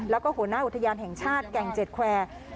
แล้วก็หัวหน้าอุทยานแห่งชาติแก่งเจ็ดแควร์